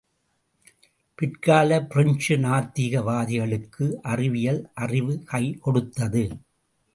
பிற்கால பிரெஞ்சு நாத்திக வாதிகளுக்கு அறிவியல் அறிவு கைகொடுத்தது.